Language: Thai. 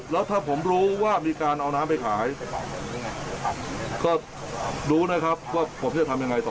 แล้วถ้าผมรู้ว่ามีการเอาน้ำไปขายก็รู้นะครับว่าผมจะทำยังไงต่อ